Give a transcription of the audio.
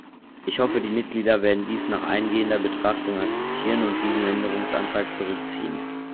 Ich hoffe, die Mitglieder werden dies nach eingehender Betrachtung akzeptieren und diesen Änderungsantrag zurückziehen.